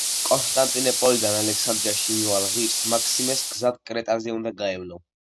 კონსტანტინეპოლიდან ალექსანდრიაში მიმავალ ღირს მაქსიმეს გზად კრეტაზე უნდა გაევლო.